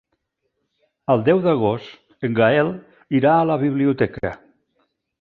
El deu d'agost en Gaël irà a la biblioteca.